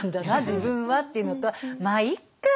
自分はっていうのとまあいっか！